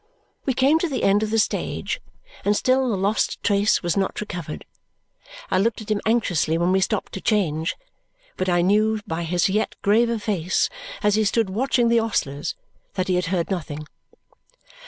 We came to the end of the stage, and still the lost trace was not recovered. I looked at him anxiously when we stopped to change, but I knew by his yet graver face as he stood watching the ostlers that he had heard nothing.